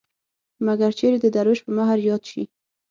مګر چېرې د دروېش په مهر ياد شي.